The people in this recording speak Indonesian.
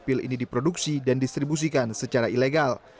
pil ini diproduksi dan distribusikan secara ilegal